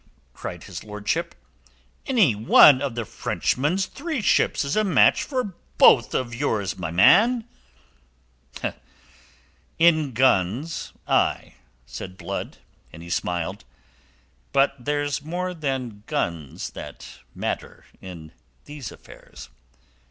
cried his lordship. "Any one of the Frenchman's three ships is a match for both yours, my man." "In guns aye," said Blood, and he smiled. "But there's more than guns that matter in these affairs.